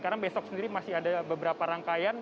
karena besok sendiri masih ada beberapa rangkaian